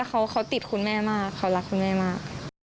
เขาติดคุณแม่มากเขารักคุณแม่มาก